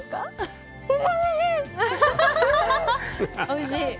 おいしい！